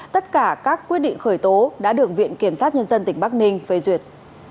tất cả các quyết định khởi tố đã được viện kiểm sát nhân dân tỉnh bắc ninh phê duyệt